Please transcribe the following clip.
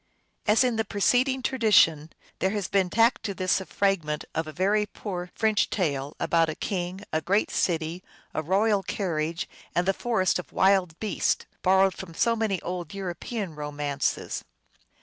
As in the preceding tradition, there has been tacked to this a fragment of a very poor French tale about a king, a great city, a royal carriage, and the forest of wild beasts, borrowed from so many old European ro mances.